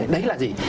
đấy là gì